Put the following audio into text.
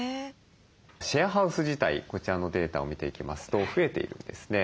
シェアハウス自体こちらのデータを見ていきますと増えているんですね。